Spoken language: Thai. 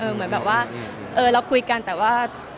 เหมือนแบบว่าเออเราคุยกันแต่ว่า